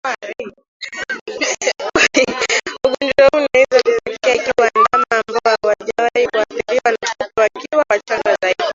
ugonjwa huu unaweza kutokea ikiwa ndama ambao hawajawahi kuathiriwa na kupe wakiwa wachanga zaidi